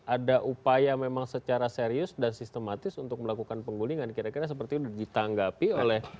ada upaya memang secara serius dan sistematis untuk melakukan penggulingan kira kira seperti itu ditanggapi oleh